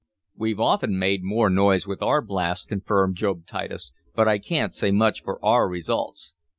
"We've often made more noise with our blasts," confirmed Job Titus, "but I can't say much for our results."